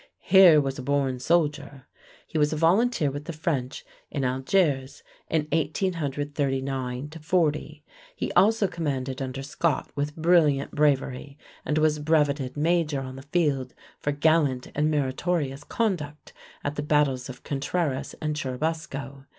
Here was a born soldier. He was a volunteer with the French in Algiers in 1839 40. He also commanded under Scott with brilliant bravery, and was brevetted major on the field for "gallant and meritorious conduct" at the battles of Contreras and Churubusco.